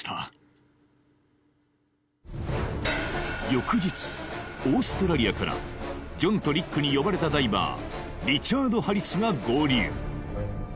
翌日オーストラリアからジョンとリックに呼ばれたダイバーリチャード・ハリスが合流